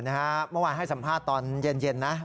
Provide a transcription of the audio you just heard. เมื่อวานให้สัมภาษณ์ตอนเย็นนะ